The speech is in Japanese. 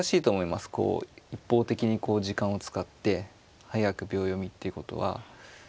こう一方的に時間を使って早く秒読みっていうことは。